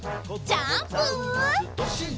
ジャンプ！